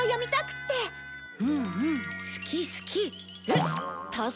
うん？